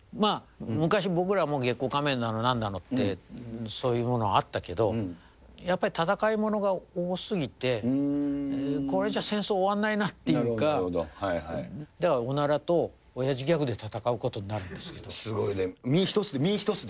昔、僕らも月光仮面やなんだって、そういうものあったけど、やっぱり戦いものが多すぎて、これじゃ戦争終わらないなっていうか、だからおならとおやじギャグで戦うことになるんですけれどすごい、身一つで、身一つで。